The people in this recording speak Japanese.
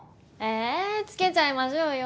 えつけちゃいましょうよ。